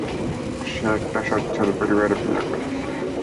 সে একটা সচ্ছল পরিবারে বিয়ে করছে।